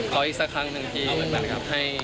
ขออีกสักครั้งหนึ่งที